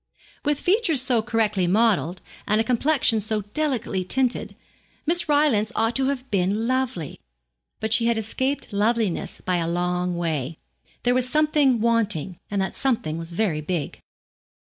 With features so correctly modelled, and a complexion so delicately tinted, Miss Rylance ought to have been lovely. But she had escaped loveliness by a long way. There was something wanting, and that something was very big.